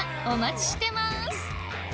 お待ちしてます